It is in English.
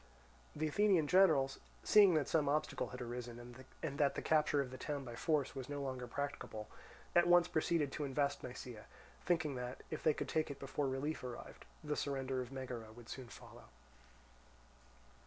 The Athenian generals seeing that some obstacle had arisen, and that the capture of the town by force was no longer practicable, at once proceeded to invest Nisaea, thinking that, if they could take it before relief arrived, the surrender of Megara would soon follow.